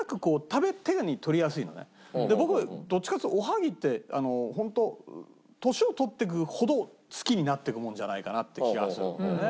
僕どっちかっていうとおはぎってホント年をとっていくほど好きになっていくものじゃないかなって気がするんだよね。